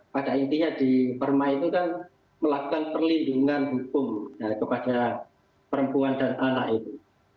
pada intinya di perma itu kan melakukan perlindungan hukum kepada perempuan dan anak itu